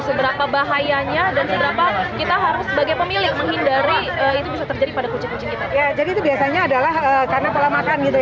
seberapa bahayanya dan seberapa kita harus sebagai pemilik